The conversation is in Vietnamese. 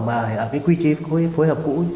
mà ở cái quy chế phối hợp cũ